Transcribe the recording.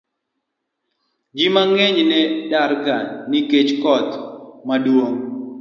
Ji mang'eny ne darga nikech koth maduong'